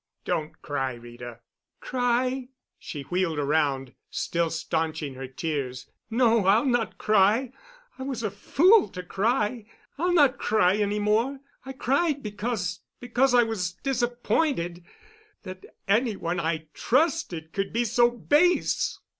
"Don't cry, Rita." "Cry?" She wheeled around, still staunching her tears. "No, I'll not cry. I was a fool to cry. I'll not cry any more. I cried because—because I was disappointed—that any one I trusted could be so base."